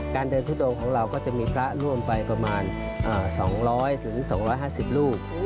เดินทุดงของเราก็จะมีพระร่วมไปประมาณ๒๐๐๒๕๐รูป